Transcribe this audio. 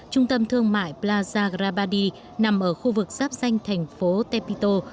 trung tâm thương mại plaza gradibadi nằm ở khu vực giáp danh thành phố tepito